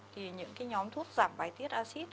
thì những cái nhóm thuốc giảm bài tiết acid